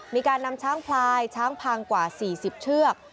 มีการนำช้างพลายช้างพังกว่า๔๐เชือก